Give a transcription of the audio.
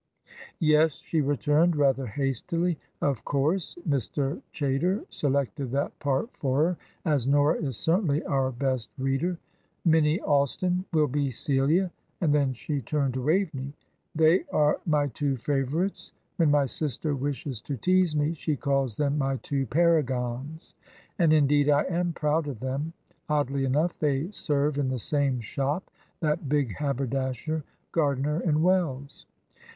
"Yes," she returned, rather hastily, "of course, Mr. Chaytor selected that part for her, as Nora is certainly our best reader. Minnie Alston will be Celia." And then she turned to Waveney. "They are my two favourites. When my sister wishes to tease me, she calls them my two paragons. And, indeed, I am proud of them. Oddly enough, they serve in the same shop that big haberdasher Gardiner & Wells."